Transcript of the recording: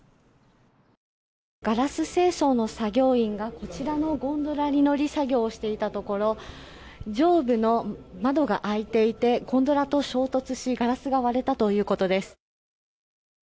ガラス清掃の作業員がこちらのゴンドラに乗り作業をしていたところ上部の窓が開いていてゴンドラと衝突しガラスが割れたということです。